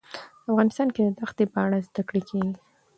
افغانستان کې د ښتې په اړه زده کړه کېږي.